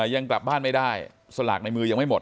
ยังกลับบ้านไม่ได้สลากในมือยังไม่หมด